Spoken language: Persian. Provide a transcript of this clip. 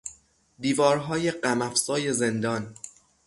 دیوارهای غم افزای زندان